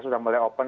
sudah mulai open